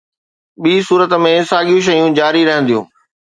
ٻي صورت ۾، ساڳيون شيون جاري رهنديون.